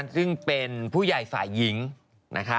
ซึ่งเป็นผู้ใหญ่ฝ่ายหญิงนะคะ